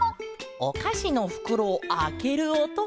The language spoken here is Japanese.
おかしのふくろをあけるおとか。